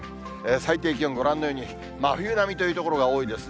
最低気温、ご覧のように、真冬並みという所が多いですね。